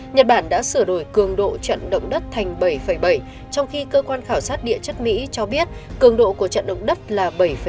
nhật bản đã sửa đổi cường độ trận động đất thành bảy bảy trong khi cơ quan khảo sát địa chất mỹ cho biết cường độ của trận động đất là bảy năm